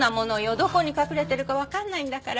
どこに隠れてるかわかんないんだから。